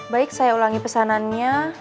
baik saya ulangi pesanannya